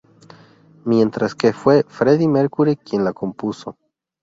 Mientras que fue Freddie Mercury quien la compuso.